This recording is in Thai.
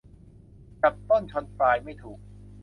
จับต้นชนปลายไม่ถูก